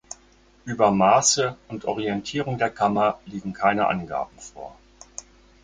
Über Maße und Orientierung der Kammer liegen keine Angaben vor.